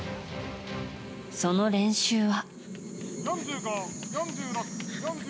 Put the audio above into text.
その練習は。